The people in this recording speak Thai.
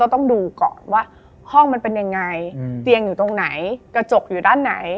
ต้องดูก่อนว่าห้องมันเป็นยังไงเตียงอยู่ตรงไหนกระจกอยู่ด้านไหน